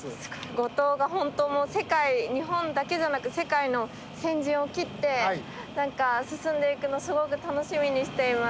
五島が本当もう日本だけじゃなく世界の先陣を切って何か進んでいくのすごく楽しみにしています。